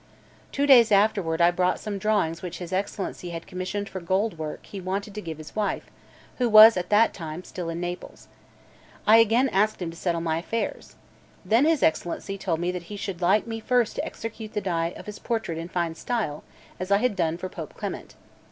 Two days afterward I brought some drawings which his Excellency had commissioned for gold work he wanted to give his wife, who was at that time still in Naples. I again asked him to settle my affairs. Then his Excellency told me that he should like me first to execute the die of his portrait in fine style, as I had done for Pope Clement.